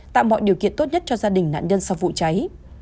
tạo mọi điều kiện tốt nhất cho gia đình nạn nhân sau vụ cháy